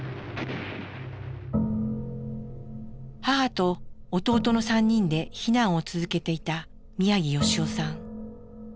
母と弟の３人で避難を続けていたさ